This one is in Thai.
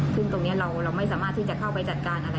ซึ่งตรงนี้เราไม่สามารถที่จะเข้าไปจัดการอะไร